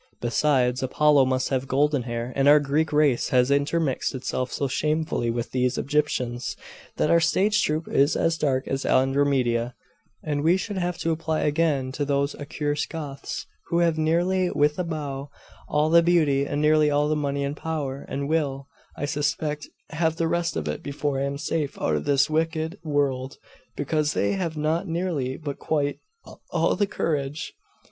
Besides, Apollo must have golden hair; and our Greek race has intermixed itself so shamefully with these Egyptians, that our stage troop is as dark as Andromeda, and we should have to apply again to those accursed Goths, who have nearly' (with a bow) 'all the beauty, and nearly all the money and the power, and will, I suspect, have the rest of it before I am safe out of this wicked world, because they have not nearly, but quite, all the courage.